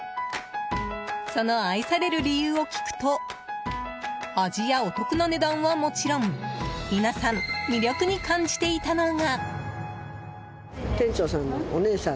その愛される理由を聞くと味やお得な値段はもちろん皆さん、魅力に感じていたのが。